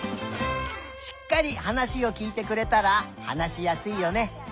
しっかりはなしをきいてくれたらはなしやすいよね。